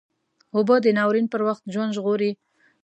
اوبه د ناورین پر وخت ژوند ژغوري